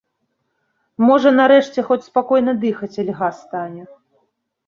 Можа нарэшце хоць спакойна дыхаць льга стане!